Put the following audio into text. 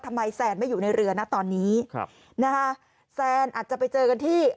แซนไม่อยู่ในเรือนะตอนนี้ครับนะฮะแซนอาจจะไปเจอกันที่